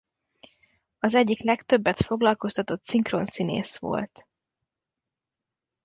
Az egyik legtöbbet foglalkoztatott szinkronszínész volt.